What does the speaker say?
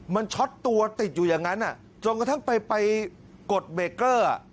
มันช็อตตัวติดอยู่อย่างนั้นจนกระทั่งไปกดเบรกเกอร์